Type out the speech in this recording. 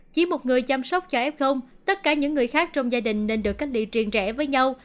chỉ một người chăm sóc cho f tất cả những người khác trong gia đình nên được cách địa truyền rẻ với nhau